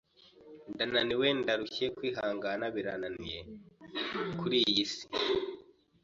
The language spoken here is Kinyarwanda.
Ndananiwe ndarushye kwihangana birananiye kuri iyi isi